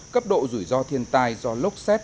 cấp độ rủi ro thiên tai do lốc xét